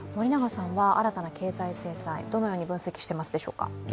新たな経済制裁、どのように分析していますでしょうか。